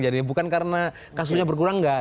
jadi bukan karena kasusnya berkurang nggak